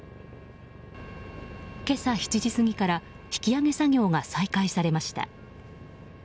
今朝７時過ぎから引き揚げ作業が再開されました。